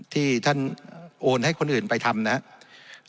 ที่ท่านโอนให้คนอื่นไปทำนะครับ